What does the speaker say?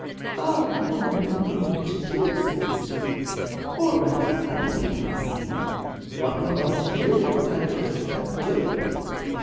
"Oh, I wonder what we ought to do!" said Mr Benson. "Or rather, I believe I see what we ought to do, if I durst but do it."